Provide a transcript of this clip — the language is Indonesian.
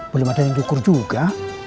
belum ada yang diukur juga